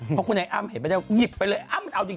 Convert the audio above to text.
เพราะคุณไอ้อ้ำเห็นไม่ได้หยิบไปเลยอ้ำมันเอาจริง